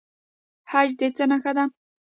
حج د څه نښه ده؟